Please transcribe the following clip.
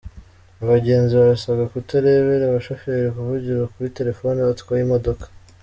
Abagenzi barasabwa kutarebera abashoferi bavugira kuri telefoni batwaye imodoka